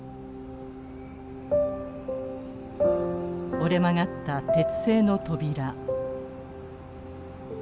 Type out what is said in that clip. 折れ曲がった鉄製の扉。